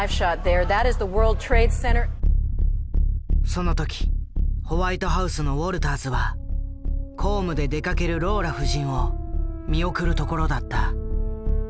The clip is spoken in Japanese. その時ホワイトハウスのウォルターズは公務で出かけるローラ夫人を見送るところだった。